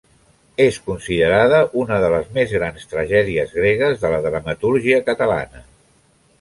És considerada una de les més grans tragèdies gregues de la dramatúrgia catalana.